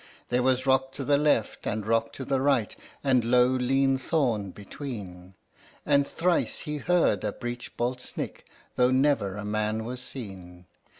There was rock to the left and rock to the right, and low lean thorn between, And thrice he heard a breech bolt snick tho' never a man was seen.